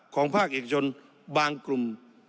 ภาคเอกชนบางกลุ่ม